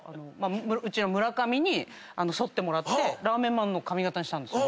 うちの村上にそってもらってラーメンマンの髪形にしたんですよ。